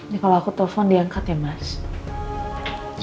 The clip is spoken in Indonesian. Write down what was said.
ya kalo aku telepon diangkat ya mas